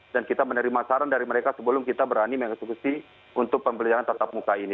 dan kita menerima saran dari mereka sebelum kita berani mengecek cuci untuk pembelajaran tetap muka ini